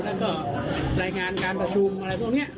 แล้วก็รายงานการประชุมอะไรพวกนี้